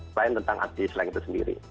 selain tentang abdi sleng itu sendiri